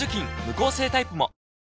無香性タイプも！